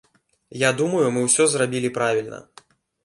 Я думаю, мы ўсё зрабілі правільна.